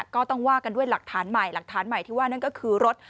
ก็ต้องว่ากันด้วยหลักฐานใหม่หลักฐานใหม่ที่ว่านั่นก็คือรถ